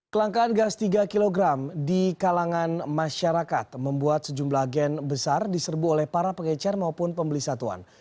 kelangkaan gas tiga kg di kalangan masyarakat membuat sejumlah gen besar diserbu oleh para pengecer maupun pembeli satuan